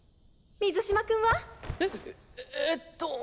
水嶋君は？えっえと。